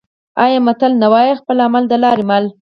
آیا بل متل نه وايي: خپل عمل د لارې مل؟